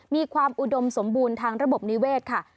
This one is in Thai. มีความอุดมสมบูรณ์ทางระบบนิเวศค่ะ